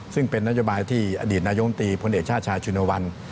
ซึ่งเป็นนโยบายที่อดีตนายมตรีพลเอกชาติชายชุนวัน